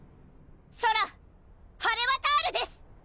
ソラ・ハレワタールです！